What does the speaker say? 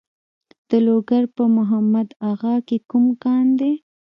د لوګر په محمد اغه کې کوم کان دی؟